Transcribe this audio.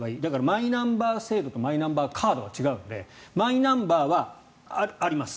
マイナンバー制度とマイナンバーカードは違うのでマイナンバーはあります。